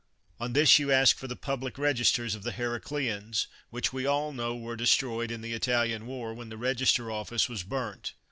On this you ask for the public registers of the Heracleans, which we all know were destroyed in the Italian war, when the register office was burnt.